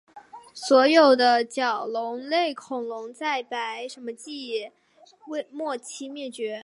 所有的角龙类恐龙在白垩纪末期灭绝。